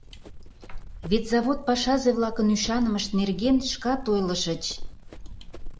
Вет завод пашазе-влакын ӱшанымышт нерген шкат ойлышыч.